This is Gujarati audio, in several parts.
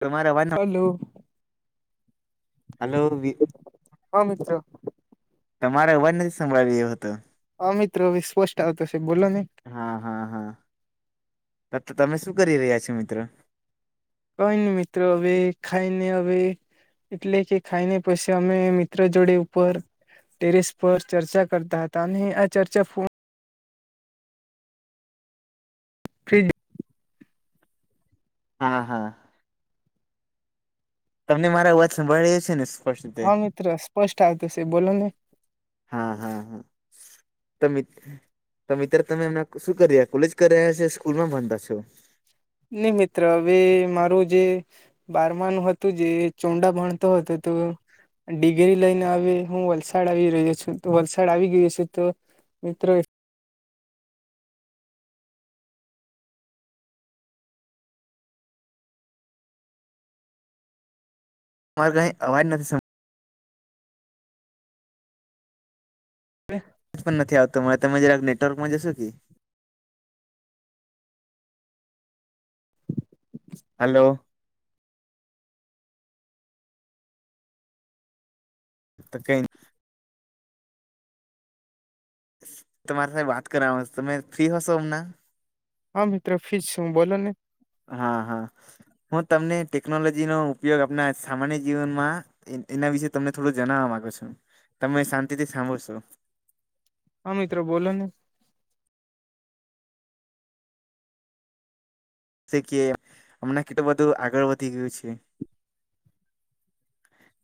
તમાર અવાજ હલો હલો વિકુ હા મિત્ર તમારે અવાજ નથી સંભળાયી રહ્યો હતો. હા મિત્ર વિશપોસ્ટ આવતો છે. બોલો ને હા હા હા તમે શું કરી રહ્યા છો મિત્રો? કઈ ની મિત્રો અવે ખાય ને અવે એટલે કે ખાઈને પછી અમે મિત્ર જોડે ઉપર ટેરેસ પર ચર્ચ કરતા તા અને આ ચર્ચા ફીડ હા હા તમને મારા અવાજ સંભળાયી રહ્યો છે ને સ્પષ્ટ રીતે? હા મિત્ર સ્પષ્ટ આવતો શે બોલો ને હા હા હા તો મિત તો મિત્ર તમે અમના શું કરી રહ્યા કોલેજ કરી રહ્યા છો સ્કૂલ માં ભંણતા છો નઈ મિત્ર હવે મારું જે બારમાનું હતું જે ચોડા ભણતો હતો તો. ડિગ્રી લઈને આવી હું વલસાડ આવી રહ્યો છું. તો વલસાડ આવી ગયો છું તો મિત્ર એમાં કઈ અવાજ નથી સમ નેહ [unintelligible] તો પણ થી આવતો તમે જરાક નેટવર્કમાં જશો કે હલો તો કઈ તમારી સાથે વાત કરાવાની તમે ફ્રી હશો અમના હા મિત્રો ફિશ શું બોલો ને હા હા હું તમને ટેકનોલોજીનો ઉપયોગ આપના સામાન્ય જીવનમાં એના વિશે તમને થોડું જનાવા માંગું છું તમે શાંતિથી સાંભળશો. હા મિત્ર બોલો ને થીકીએ હમણાં કેટલું બધું આગળ વધી ગયું છે.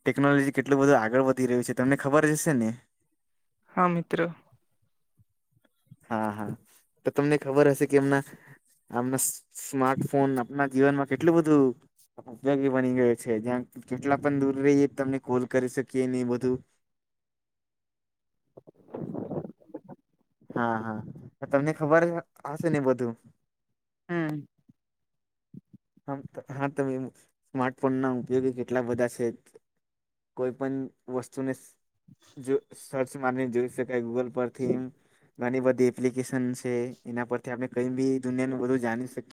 ટેકનોલોજી કેટલું બધું આગળ વધી રહ્યું છે તમને ખબર જ હશે ને હા મિત્ર હા હા તો તમને ખબર હશે કે એમના આમના સ્માર્ટફોન આપના જીવનમાં કેટલું બધું ઉપયોગી બની ગયો છે. જ્યાં કેટલા પણ દૂર રહીએ તમને કોલ કરી શકીએ ને એ બધું હા હા તમને ખબર જ હશે ને એ બધું. હમ મ હા તમે સ્માર્ટફોનના ઉપયોગ બી કેટલા બધાં છે. કોઈ પણ વસ્તુને જો સર્ચ માર ને જોઈ શકે. કે ગૂગલ પર થીમ ઘણી બધી એપ્લિકેશન છે એના પરથી આપણે કઈ બી દુનિયાનું બધું જાણી શકીએ.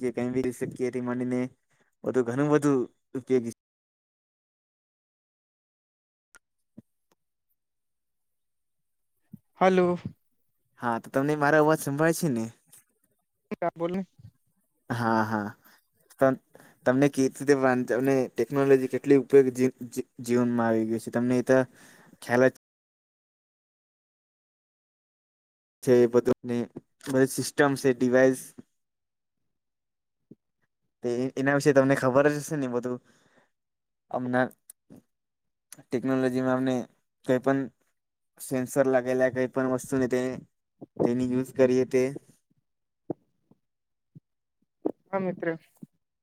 કે કઈ બી રિ શકયથી માડી ને બધું ઘણું બધું ઉપયોગી છે. હલો. હા તો તમને મારો અવાજ સંભાળે છે ને? ક બોલને. હા હા તમને કે રીતે તમને ટેકનોલોજી કેટલી ઉપયોગ જીવનમાં આવી ગયું છે તમને એતા ખ્યાલ જ છે એ બધુંને બધ સિસ્ટમ છે ડિવાઈસ તે એના વિશેે તમને ખબરજ હશે ને બધું હમણાં ટેકનોલોજીમાં અમને કઈ પણ સેન્સર લાગેલા કય પણ વસ્તુ ની તે તેની યુઝ કરીએ તે. હા મિત્ર.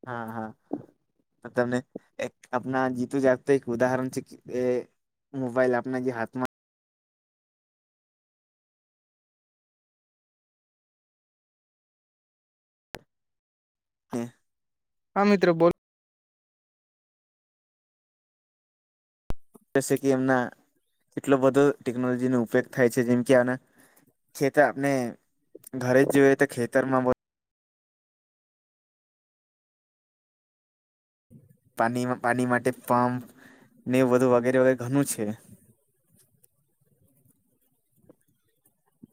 હા હા. તો તમને એક આપણા જીતુ જાગતુ એક ઉદાહરણ છે કે એ મોબાઈલ આપણા જે હાથમાં હા મિત્રો બોલ. જેસે કી એમના એટલો બધો ટેકનોલોજીનો ઉપયોગ થાય છે જેમ કે આના ખેતર આપણે ઘરે જ જોયે તો ખેતરમાં બ પાણી માં પાણી માટે પંપ ને બધું વગેરે વગેરે ઘણું છે.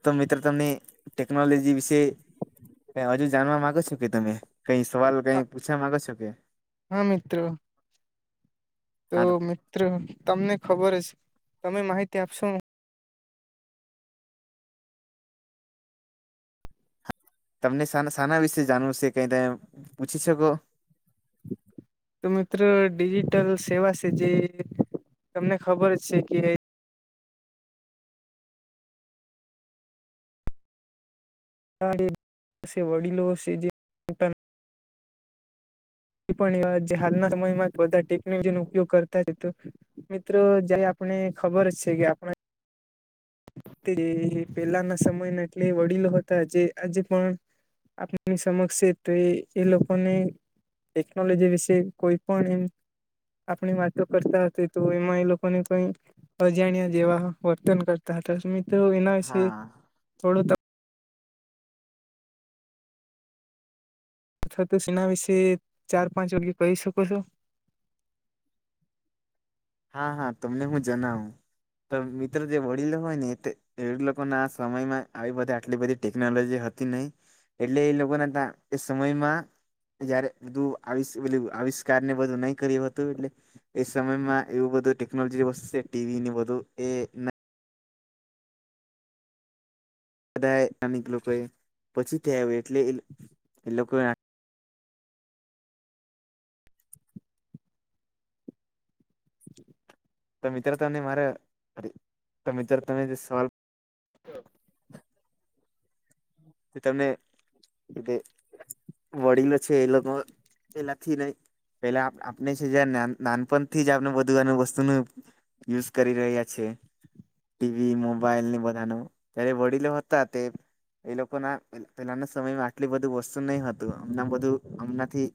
તો મિત્રો તમને ટેકનોલોજી વિશે કઈ હજુ જાણવા માંગો છો કે તમે કઈ સવાલ કઈ પૂછવા માંગો છો કે? હા મિત્ર. તો મિત્રો તમને ખબર હસે તમે માહિતી આપશો. તમને સાના સાના વિશે જાણવું છે કઈ તેમ પૂછી શકો. તો મિત્ર ડિજિટલ સેવા છે જે તમને ખબર જ છે કે [inaudible] વડીલો સે જે [inaudible] કોઈ પણ એવા જે હાલના સમય માં બધાં ટેકનોલોજીનો ઉપયોગ કરતા તો મિત્રો જે આપણે ખબર છે કે આપણે તે પેલાના સમયના એટલે વડીલો હતા જે આજે પણ આણની સમક્ષ [unintelligible] એ લોકો ને ટેકનોલોજી વિશે કોઈ પણ એમ આપણી વાતો કરતા હશે તો એમાં એ લોકોને કઈ અજાણ્યા જેવા વર્તન કર તા હતા તો મિત્રો એના વિશે હા થોડું તમ અથવા તો સેના વિશે ચાર પાંચ વાકય કહી શકો છો? હા હા તમને હું જણાવું તો મિત્ર જે વડીલો હોય ને તે એ લોકોના આ સમયમાં આવી બધી આટલી બધી ટેકનોલોજી હતી નઈ. એટલે એ લોકોના તા એ સમયમાં જયારે બધું આવિષ પેલું આવિષ્કાર ને બધું નઈ કર્યું હતું એટલે એ સમયમાં એવું બધું ટેકનોલોજી [unintelligible] ટીવી ની વધું એના બધા એ એમની [unintelligible] પછી થી આવી એટલે એ લોકો એ તો મિત્ર તને મારા અરે તો મિત્રો તમે જે સવાલ કે તમે બે વડીલો છે એ લોકો પેલા થી લઈ પેલા આપ આપણે છે જે નાન નાનપણ થી જ આપણે બધું વસ્તુ નું યુઝ કરી રહ્યા છે. ટીવી, મોબાઈલ ને બધા નું ત્યારે વડીલો હતા તે એ લોકો ના પેલ પેલાના સમયમાં આટલી બધું વસ્તુ નઈ હતું ને આ બધું અમનાથી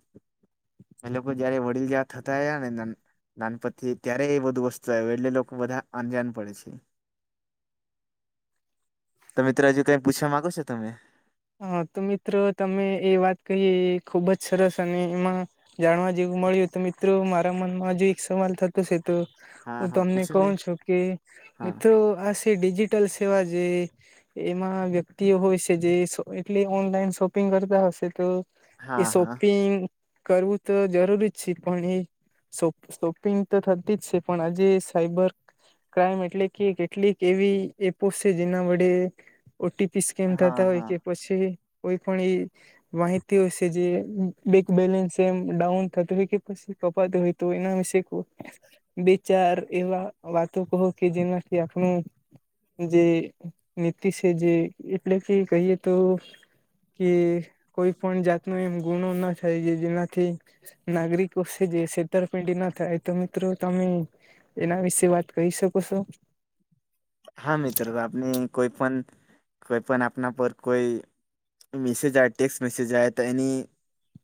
એ લોકો જયારે વડીલ જેવા થતાયા ના નાનપણથી ત્યારે એ બધું વસ્તુ આયવુ એટલે લોકો બધા અજાન પડે છે. તો મિત્ર હજુ કઈ પૂછવા માંગો છો તમે? હા તો મિત્રો તમે એ વાત કહીએ ખુબ જ સરસ અને એમાં જાણવા જેવું મળ્યું તો મિત્રો મારા મનમાં હજુ એક સવાલ થ- થતો છે તો હા હું હા તમને પૂછો ને કહું છું કે હા મિત્રો આ એ ડિજિટલ સેવા જે એમાં વ્યક્તિઓ હોય છે જે એટલે ઓનલાઈન શોપિંગ કરતા હશે તો એ હા હા શોપિંગ કરવું તો જરૂરી જ છે પણ એ શો શોપિંગ તો થતી જ છે. પણ આજે સાયબર ક્રાઈમ એટલે કે કેટલીક એવી એપો છે જેના વડે ઓટીપી સ્કેન હા થતા હોય હા કે પછી કોઈ પણ એ માહિતીઓ છે જે બેક બેલેન્સ એમ ડાઉન થતી હોય કે પછી કપાતી હોય તો એના વિશે કો બે ચાર એવા તત્વો કહો કે જેમાંથી આપનું જે નીતિ છે જે એટલે કે કહીએ તો કે કોઈ પણ જાતનો એમ ગુણો ના થાય જે જેનાથી નાગરિકો સે જે છેતરપીંડી ન થાય તો મિત્રો તમે એના વિશે વાત કરી શકો છો? હા મિત્રો આપણે કોઈ પણ કોઈ પણ આપના પર કોઈ મેસેજાય ટેક્સ્ટ મેસેજ આયા તા એની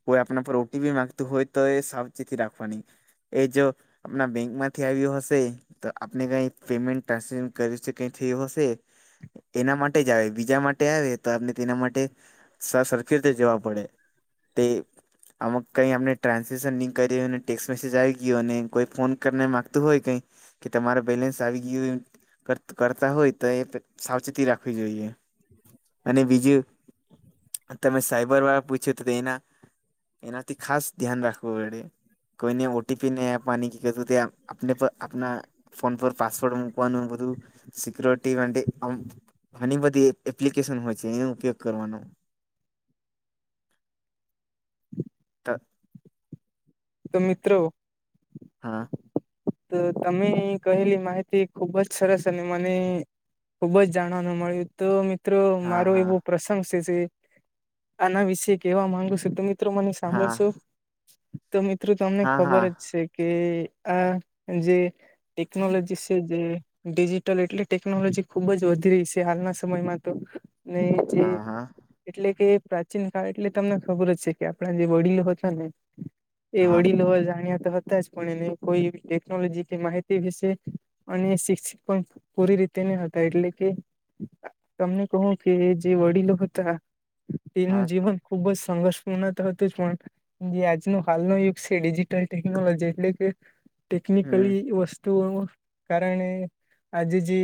કોઈ આપના પર ઓટીપી માંગતું હોય તો એ સાવચેતી રાખવાની. એ જો આપણા બેંકમાંથી આવ્યું હશે તો આપણે કાંઈ પેમેન્ટ- કરી શકે છે એવો હસે એના માટે જ આવે બીજા માટે આવે તો આપને તેના માટે સાવચેત થય જવા પડે તે આમ કઈ આપને ટ્રાન્સલેશન નહી કરીને ટેક્સ મેસેજ આવી ગયો કોઈ ફોન કરીને માંગતું હોય કઈ કે તમારે બેલેન્સ આવી ગયું કરતા હોય તો એ સાવચેતી રાખવી જોઈએ. અને બીજું તમે સાઈબર વાળા પૂછ્યું તો તે એના એનાથી ખાસ ધ્યાન રાખવું પડે. કોઈને ઓટીપી નય આપવાની કે કશું તે આપણે પર આપના ફોન પર પાસવર્ડ મૂકવાનું બધું સિક્યોરિટી માટે આમ ઘણી બધી એપ્લિકેશન હોય છે એનો ઉપયોગ કરવાનો. ત તો મિત્રો, હા તો તમે કહેલી માહિતી ખુબ જ સરસ અને મને ખુબ જ જાણવાનું મળ્યું તો હા મિત્રો હા એવું પ્રસંગ છે જે આના વિશે કેવા માંગુ છું. તો મિત્રો મને હા સાંભળશો? તો મિત્રો તમને હા ખબર હા જ છે કે આ જે ટેકનોલોજી છે જે ડિજિટલ એટલી ટેકનોલોજી ખુબ જ વધી રહી છે હાલના સમયમાં તો ને જે હા હા એટલે કે પ્રાચીન કાળ એટલે તમને ખબર જ છે કે આપણા જે વડીલો હતા ને એ હા વડીલો અજાણ્યા તો હતા જ કોણ એને કોઈ આવી ટેકનોલોજી કે માહિતી વિશે અને શિક્ષ પૂરી રીતે ન હતા એટલે કે તમને કહું કે જે વડીલો હતા હા એનું જીવન ખુબ જ સંઘર્ષપૂર્ણ તો હતું જ પણ જે આજનું હાલનો યુગ છે ડિજિટલ ટેકનોલોજી એટલે કે હમ ટેકનિકલી વ સ્તુઓનું કારણે આજે જે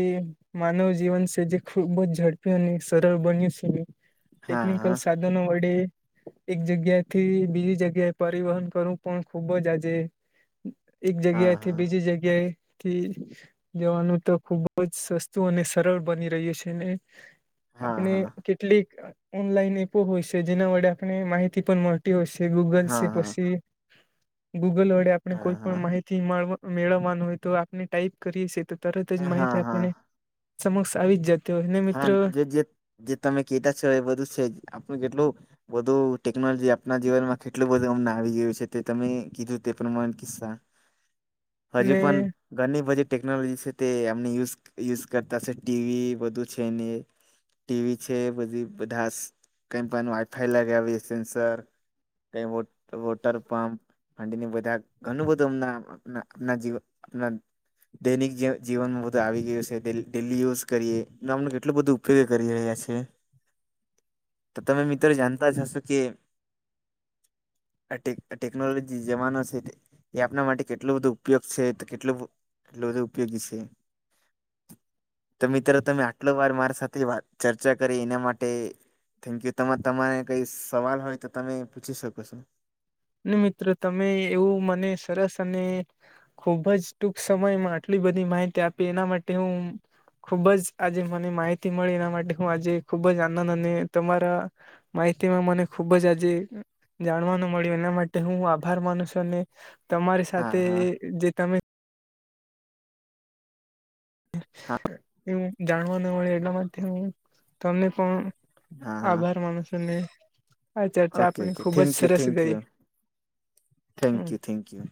માનવ જીવન છે જે ખૂબ જ ઝડપી અને સરળ બન્યું છે. હા ટેકનિકલ હા સાધનો વડે એક જગ્યાથી બીજી જગ્યાએ પરિવહન કરું પણ ખુબ જ આજે એક હા જગ્યાથી હા બીજી જગ્યાએ થી જવાનું તો ખુબ જ સસ્તું અને સરળ બની રહ્યું છે, ને હા આપણે હા કેટલીક ઓનલાઈન એપો હોય છે. જેના વડે આપણે માહિતી પણ મળ તી હોય છે ગૂગલ હા છે હા પછી ગૂગલ વડે આપણે કોઈ પણ હા માહિતી. થી મળ મેળવવાનું હોય તો આપણે ટાઈપ કરીએ છીતો તરત જ હા માહિતી હા આપણને સમક્ષ આવી જત હા જે જે જે તમે કેતા છો એ બધું છે જ આપણું જેટલું બધું ટેકનોલોજી આપના જીવનમાં કેટલું બધું અમને આવી ગયું છે. તે તમે કીધું તે પ્રમાણે કીસ્સા [inaudible] હજુ ને પણ ઘણી બધી ટેકનોલોજી છે તે એમને યુઝ યુઝ કરતાશે ટીવી બધું. છેને ટીવી છે બધી બધા કેમ પણ વાઈફાઈ લગાવીયે સેન્સર. તે વોટ વોટર પંપ હાંડીને બધા ઘણું બધું હમના ના આપના જીવ આપના દૈનિક જી-જીવનમાં બધું આવી ગયું છે. ડે-ડેલી યુઝ કરીએ. ગામનો એટલુ બધુ કે કરી રહ્યા છે. તો તમે મિત્ર જાણતા જ હશો કે, અટે ટેકનોલોજી જમાનો છે તે એ આપણા માટે કેટલું બધું ઉપયોગ છે તો કેટલું કેટલું બધું ઉપયોગી છે. તો મિત્ર તમે આટલો વાર મારા સાથે વાત ચર્ચા કરી એના માટે થેન્કયુ તમા તમારે કઈ સવાલ હોય તો તમે પૂછી શકો છો. ની મિત્ર તમે એવું મને સરસ અને ખુબ જ ટૂંક સમયમાં આટલી બધી માહિતી આપી એના માટે હું ખુબ જ આજે મને માહિતી મળી એના માટે હું આજે ખુબ જ આનંદ અને તમારા માહિતીમાં મને ખુબ જ આજે જાણવાનું મળયુ એના માટે હું આભાર માનું છું. અને તમારી હા સાથે હા જે તમે હા એવું જાણવા ન મળે એટલા માટે હું તમને પણ હા હા આભાર માનુ છું ને આ ર્ચચા ઓકે આપણી ઓકે ખુબ જ થેન્ક યુ સરસ થેન્ક ગઈ. You thank hmm you thank you